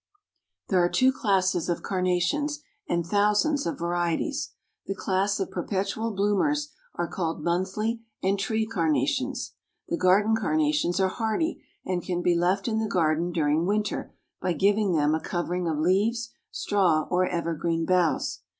There are two classes of Carnations, and thousands of varieties. The class of Perpetual Bloomers are called Monthly and Tree Carnations. The Garden Carnations are hardy, and can be left in the garden during winter by giving them a covering of leaves, straw, or evergreen boughs.